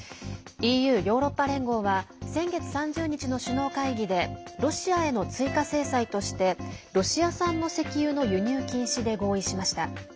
ＥＵ＝ヨーロッパ連合は先月３０日の首脳会議でロシアへの追加制裁としてロシア産の石油の輸入禁止で合意しました。